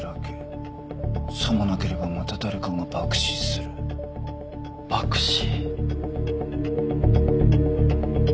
「さもなければまた誰かが爆死する」爆死。